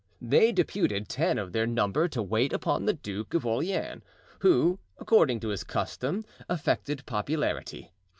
They deputed ten of their number to wait upon the Duke of Orleans, who, according to his custom, affected popularity.